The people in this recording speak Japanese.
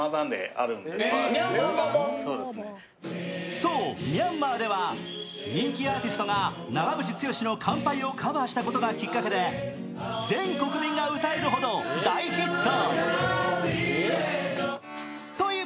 そう、ミャンマーでは人気アーティストが長渕剛の「乾杯」をカバーしたことがきっかけで全国民が歌えるほど大ヒット。